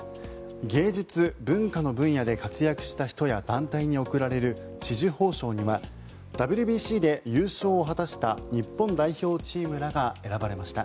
芸術・文化の分野で活躍した人や団体に贈られる紫綬褒章にはＷＢＣで優勝を果たした日本代表チームらが選ばれました。